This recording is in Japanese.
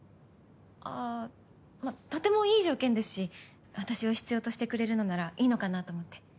あぁまあとてもいい条件ですし私を必要としてくれるのならいいのかなと思って。